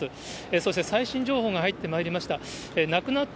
そして最新情報が入ってまいりました。